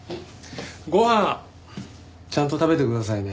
ご飯ちゃんと食べてくださいね。